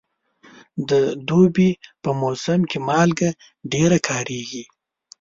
د دوبي په موسم کې مالګه ډېره کارېږي.